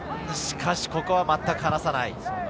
しかしここはまったく離さない。